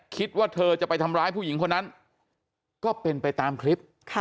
คิดว่าเธอจะไปทำร้ายผู้หญิงคนนั้นก็เป็นไปตามคลิป